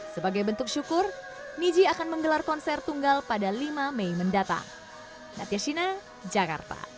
sebagai bentuk syukur niji akan menggelar konser tunggal pada lima mei mendatang